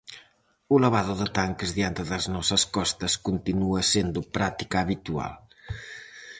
O lavado de tanques diante das nosas costas continua sendo práctica habitual.